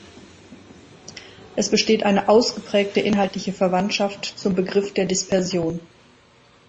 Es besteht eine ausgeprägte inhaltliche Verwandtschaft zum Begriff der Dispersion.